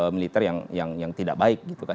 militer yang tidak baik gitu kan